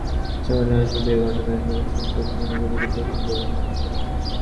সংগঠনটি হাসপাতালটির এ ঘটনাকে জনস্বাস্থ্যের সুরক্ষার জন্য গভীর উদ্বেগের বলেও মন্তব্য করেছেন।